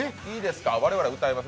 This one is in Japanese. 我々は歌います。